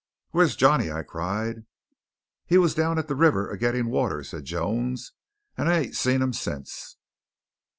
"Where's Johnny?" I cried. "He was down at the river a getting water," said Jones, "and I ain't seen him since."